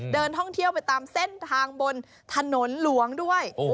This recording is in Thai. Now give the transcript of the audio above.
เดินท่องเที่ยวไปตามเส้นทางบนถนนหลวงด้วย